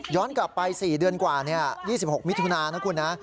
กลับไป๔เดือนกว่า๒๖มิถุนานะคุณนะ